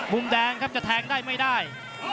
มุมแดงครับจะแทงได้ไม่ได้